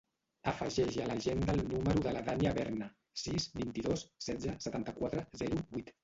Afegeix a l'agenda el número de la Dània Berna: sis, vint-i-dos, setze, setanta-quatre, zero, vuit.